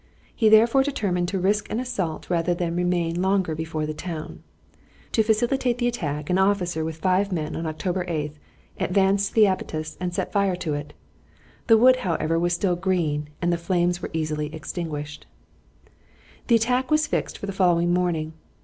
He therefore determined to risk an assault rather than remain longer before the town. To facilitate the attack an officer with 5 men on October 8 advanced to the abattis and set fire to it. The wood, however, was still green, and the flames were easily extinguished. The attack was fixed for the following morning.